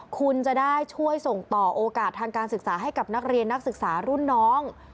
คุณจะได้ช่วยส่งต่อโอกาสทางการศึกษาให้กับนักเรียนนักศึกษารุ่นน้อง